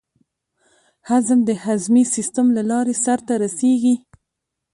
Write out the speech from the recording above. هضم د هضمي سیستم له لارې سر ته رسېږي.